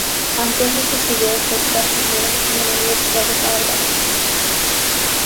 Amplió sus estudios en Basilea y en la Universidad de Harvard.